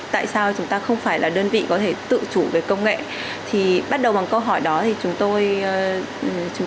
tại sao chúng ta không phải là đơn vị có thể tự chủ về công nghệ thì bắt đầu bằng câu hỏi đó thì chúng tôi